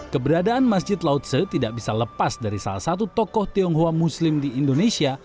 keberadaan masjid lautse tidak bisa lepas dari salah satu tokoh tionghoa muslim di indonesia